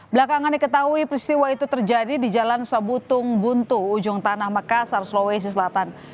belakangan diketahui peristiwa itu terjadi di jalan sabutung buntu ujung tanah makassar sulawesi selatan